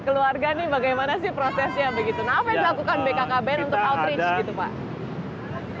keluarga nih bagaimana sih prosesnya begitu nah apa yang dilakukan bkkbn untuk outreach gitu pak